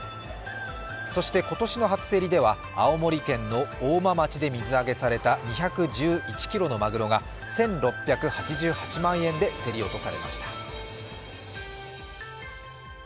そして今年の初競りでは青森県の大間町で水揚げされた２１１ｋｇのマグロが１６８８万円で競り落とされました。